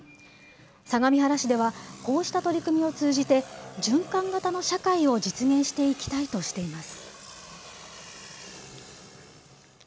相模原市ではこうした取り組みを通じて、循環型の社会を実現していきたいとしています。